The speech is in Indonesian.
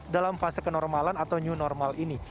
dalam fase kenormalan atau new normal ini